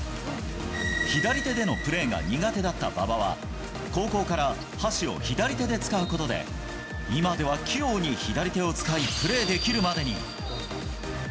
左手でのプレーが苦手だった馬場は、高校から箸を左手で使うことで、今では器用に左手を使いプレーできるまでに。